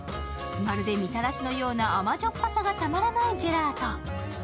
まるでみたらしのような甘じょっぱさがたまらないジェラート。